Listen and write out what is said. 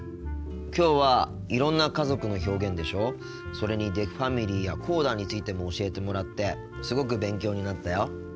きょうはいろんな家族の表現でしょそれにデフファミリーやコーダについても教えてもらってすごく勉強になったよ。